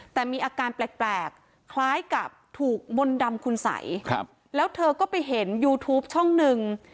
แต่มีอาการแปลกคล้ายกับถูกมนต์ดำคุณสัยครับแล้วเธอก็ไปเห็นยูทูปช่องหนึ่ง